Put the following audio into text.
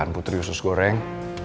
kan putri khusus goreng